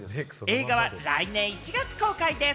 映画は来年１月公開です。